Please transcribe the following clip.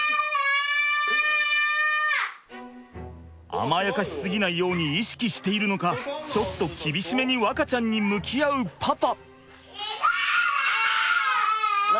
甘やかし過ぎないように意識しているのかちょっと厳しめに和花ちゃんに向き合うパパ。